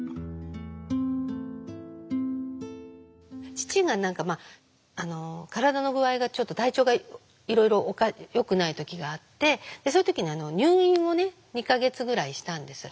父が何か体の具合がちょっと体調がいろいろよくない時があってその時に入院をね２か月ぐらいしたんです。